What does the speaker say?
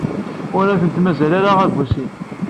Ur ten-mazal ara d abusin.